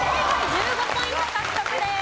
１５ポイント獲得です。